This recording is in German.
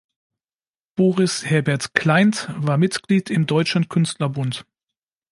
Boris Herbert Kleint war Mitglied im Deutschen Künstlerbund.